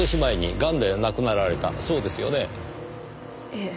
ええ。